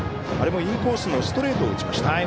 あれもインコースのストレートを打ちました。